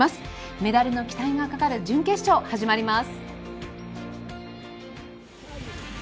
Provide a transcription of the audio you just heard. メダルの期待がかかる準決勝始まります。